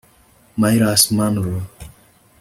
myles munroe